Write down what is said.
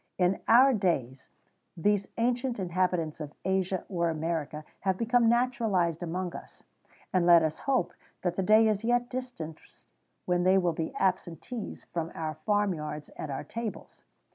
In our days these ancient inhabitants of Asia or America[XVII 111] have become naturalized among us, and let us hope that the day is yet distant when they will be absentees from our farm yards and our tables.